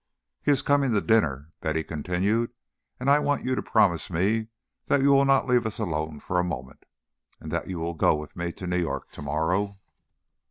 "He is coming to dinner," Betty continued, "and I want you to promise me that you will not leave us alone for a moment, and that you will go with me to New York to morrow."